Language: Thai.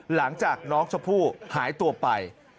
หลังจากน้องชมพู่หายตัวไป